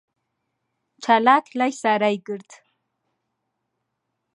چالاک لای سارای گرت.